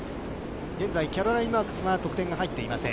現在、キャロライン・マークスは得点が入っていません。